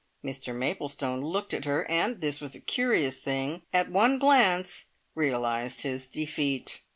Mr Maplestone looked at her and this was a curious thing at one glance realised his defeat.